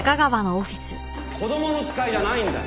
子供の使いじゃないんだ！